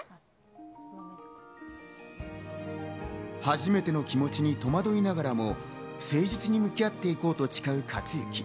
初めての気持ちに戸惑いながらも誠実に向き合って行こうと誓う勝之。